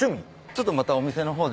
ちょっとまたお店の方で。